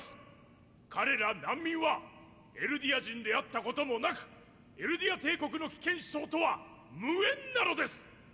彼ら難民はエルディア人であったこともなくエルディア帝国の危険思想とは無縁なのです！！